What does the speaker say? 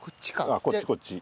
ああこっちこっち。